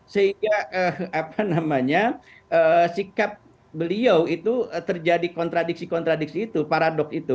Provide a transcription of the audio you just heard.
sehingga sikap beliau itu terjadi kontradiksi kontradiksi itu paradoks itu